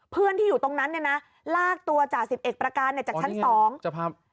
เพื่อนที่อยู่ตรงนั้นเนี่ยนะลากตัวจ่าสิบเอกประการเนี่ยจากชั้นสองจะพา